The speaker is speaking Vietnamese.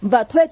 và thuê cơm